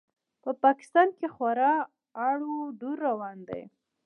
په پاکستان کې خورا اړ و دوړ روان دی.